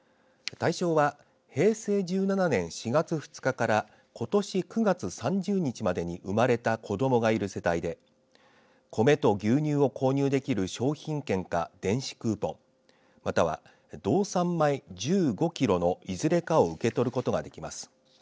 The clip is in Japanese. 対象は平成１７年４月２日からことし９月３０日までに生まれた子ともがいる世帯で米と牛乳を購入できる商品券か電子クーポンまたは道産米１５キロのいずれかを受け取ることができます。